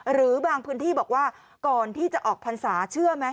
หรือบางพื้นที่บอกว่าก่อนที่จะออกพรรษาเชื่อไหม